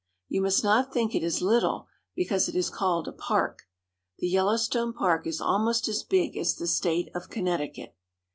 You must not think it is little because it is called a park. The Yellowstone Park is almost as big as the state of Connecticut.